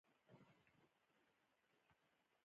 سوله نه وه ټینګه شوې.